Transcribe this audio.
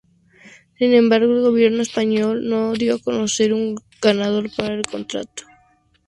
Sin embargo, el Gobierno español no dio a conocer un ganador para el contrato.